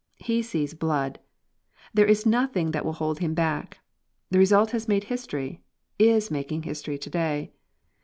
He sees blood. There is nothing that will hold him back. The result has made history, is making history to day.